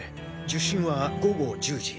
受信は午後１０時。